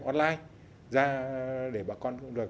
online ra để bà con